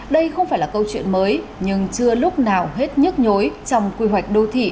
đây không phải là câu chuyện mới nhưng chưa lúc nào hết nhức nhối trong quy hoạch đô thị